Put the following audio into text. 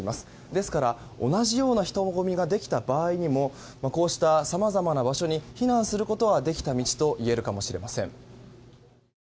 ですから、同じような人混みができた場合にもこうしたさまざまな場所に避難することはできた道といえるかもしれません。